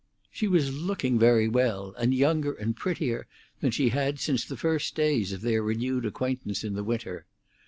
She was looking very well, and younger and prettier than she had since the first days of their renewed acquaintance in the winter.